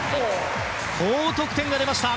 高得点が出ました！